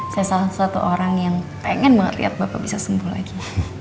saya salah satu orang yang pengen lihat bapak bisa sembuh lagi